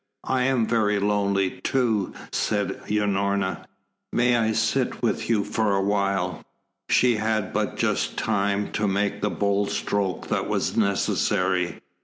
"I am very lonely, too," said Unorna. "May I sit with you for a while?" She had but just time to make the bold stroke that was necessary.